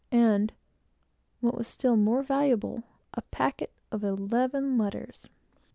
and, what was still more valuable, a packet of eleven letters.